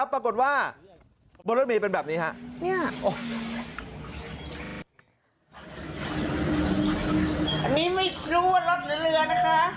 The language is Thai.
โอ้เบาเบานะพี่อีกครั้ง